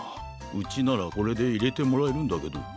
うちならこれでいれてもらえるんだけど。